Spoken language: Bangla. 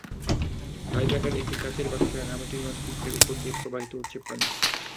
আয়তাকার একটি কাচের বাক্সে রাঙামাটির মানচিত্রের ওপর দিয়ে প্রবাহিত হচ্ছে পানি।